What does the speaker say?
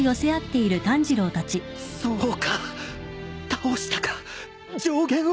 そうか倒したか上弦を！